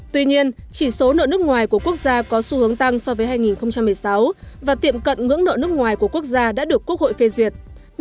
tuy nhiên chỉ số nợ nước ngoài của quốc gia có xu hướng tăng so với hai nghìn một mươi sáu và tiệm cận ngưỡng nợ nước ngoài của quốc gia đã được quốc hội phê duyệt